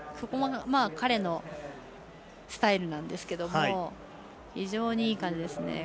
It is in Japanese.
これも彼のスタイルなんですけど非常にいい感じですね。